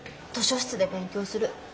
図書室で勉強する。